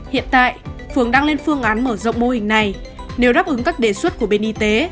hiện tại phường đang lên phương án mở rộng mô hình này nếu đáp ứng các đề xuất của bên y tế